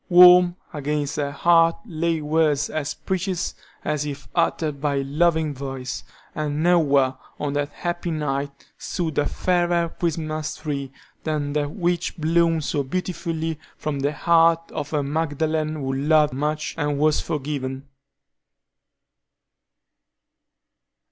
Warm against her heart lay words as precious as if uttered by a loving voice, and nowhere, on that happy night, stood a fairer Christmas tree than that which bloomed so beautifully from the heart of a Magdalen who loved much and was forgiven.